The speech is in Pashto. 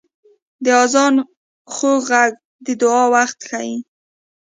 • د آذان خوږ ږغ د دعا وخت ښيي.